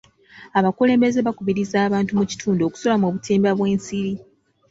Abakulembeze bakubiriza abantu mu kitundu okusula mu butimba bw'ensiri.